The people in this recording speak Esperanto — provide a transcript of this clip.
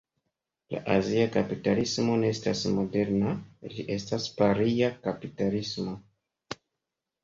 La azia kapitalismo ne estas moderna, ĝi estas paria kapitalismo.